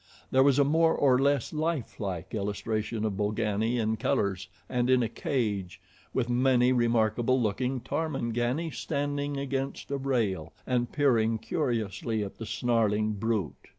There was a more or less lifelike illustration of Bolgani in colors and in a cage, with many remarkable looking Tarmangani standing against a rail and peering curiously at the snarling brute.